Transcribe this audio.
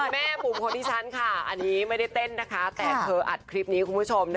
แม่บุ๋มคนที่ฉันค่ะอันนี้ไม่ได้เต้นนะคะแต่เธออัดคลิปนี้คุณผู้ชม